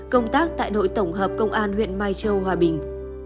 công tác tại đội tổng hợp công an huyện mai châu hòa bình